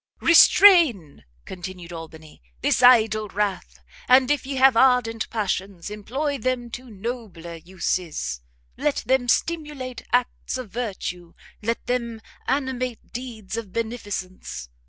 "Restrain," continued Albany, "this idle wrath; and if ye have ardent passions, employ them to nobler uses; let them stimulate acts of virtue, let them animate deeds of beneficence!